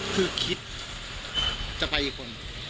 คือคิดจะไปอีกคน